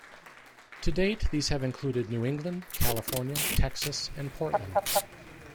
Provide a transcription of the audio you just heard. To date these have included New England, California, Texas, and Portland.